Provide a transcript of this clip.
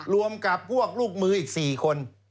รวมกับพวกลูกมืออีก๔คน